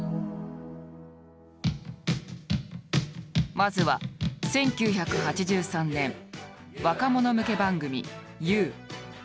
まずは１９８３年若者向け番組「ＹＯＵ」。